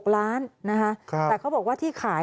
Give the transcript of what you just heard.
นะคะแต่เขาบอกว่าที่ขาย